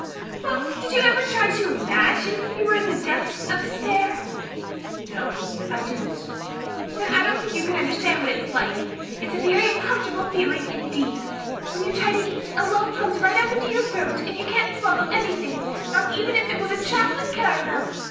Well, did you ever try to imagine you were in the depths of despair?" "No, I didn't." "Then I don't think you can understand what it's like. It's a very uncomfortable feeling indeed. When you try to eat a lump comes right up in your throat and you can't swallow anything, not even if it was a chocolate caramel.